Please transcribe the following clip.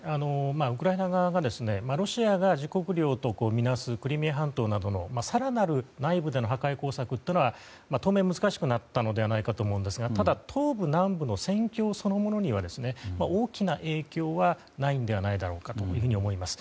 ウクライナ側がロシアが自国領とみなすクリミア半島などの更なる内部での破壊工作は当面難しくなったのではないかと思いますがただ、東部、南部の戦況そのものには大きな影響はないのではないかと思います。